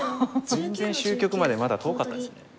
全然終局までまだ遠かったですね。